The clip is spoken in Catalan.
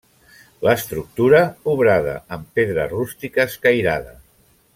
L'estructura obrada en pedra rústica escairada.